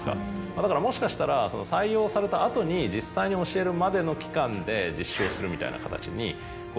だからもしかしたら採用された後に実際に教えるまでの期間で実習をするみたいな形に。